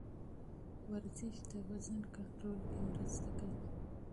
ورزش د وزن کنټرول کې مرسته کوي.